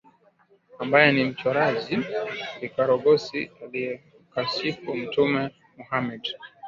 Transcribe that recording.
ambaye ni mchoraji vikaragosi aliyemkashifu mtume mohammed